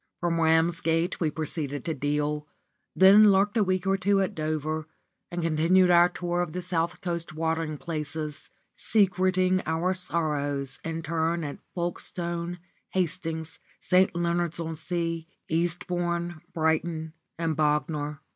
From Ramsgate we proceeded to Deal, then lurked a week or two at Dover, and continued our tour of the south coast watering places, secreting our sorrows in turn at Folkestone, Hastings, St. Leonard's on Sea, Eastbourne, Brighton, and Bognor.